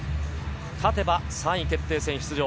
勝てば３位決定戦に出場。